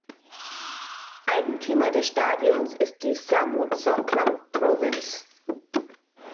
Eigentümer des Stadions ist die "Samut Songkhram Province".